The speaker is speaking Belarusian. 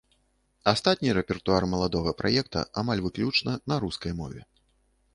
Астатні рэпертуар маладога праекта амаль выключна на рускай мове.